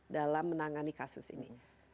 dalam menangani kasus ini